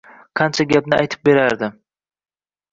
Qancha gapni aytib berardi…